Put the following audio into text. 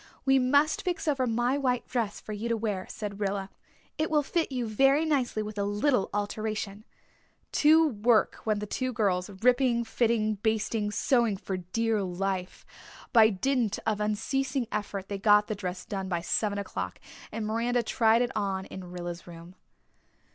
"We must fix over my white dress for you to wear," said Rilla. "It will fit you very nicely with a little alteration." To work went the two girls, ripping, fitting, basting, sewing for dear life. By dint of unceasing effort they got the dress done by seven o'clock and Miranda tried it on in Rilla's room.